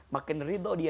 makin riba dia